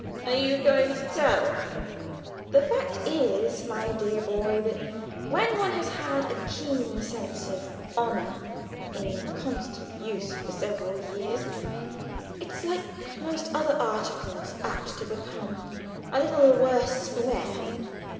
Are you goin' to tell?" "The fact is, my dear boy, that when one has had a keen sense of honour in constant use for several years, it's like most other articles, apt to become a little the worse for wear.